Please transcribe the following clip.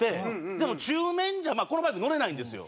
でも中免じゃこのバイク乗れないんですよ。